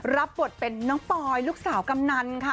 รับบทเป็นน้องปอยลูกสาวกำนันค่ะ